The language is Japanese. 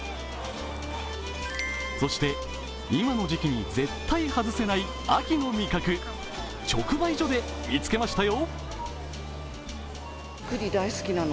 そして、今の時期に絶対外せない秋の味覚、直売所で見つけましたよ。